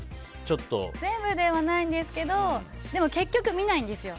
全部ではないんですけど結局見ないんですよ。